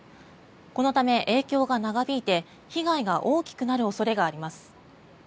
このため、影響が長引いて被害が大きくなる恐れがあります。